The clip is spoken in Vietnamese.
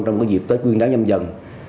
trong dịp tết nguyên đáng nhâm dần